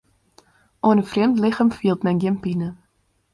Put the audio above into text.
Oan in frjemd lichem fielt men gjin pine.